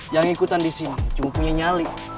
yang ikutan disini cuma punya nyali